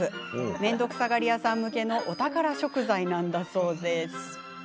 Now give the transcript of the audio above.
面倒くさがり屋さん向けのお宝食材なんだそうです。